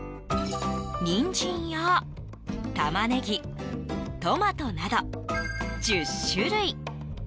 ニンジンやタマネギトマトなど１０種類。